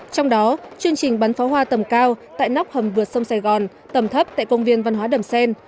trong đó chương trình bắn pháo hoa tầm cao tại nóc hầm vượt sông sài gòn tầm thấp tại công viên văn hóa đầm xen